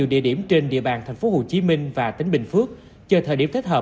thì đường để bắn mà rất là nhanh thì đuôi theo với đảm bảo